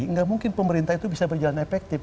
nggak mungkin pemerintah itu bisa berjalan efektif